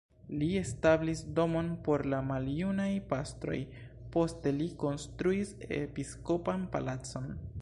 Li establis domon por la maljunaj pastroj, poste li konstruis episkopan palacon.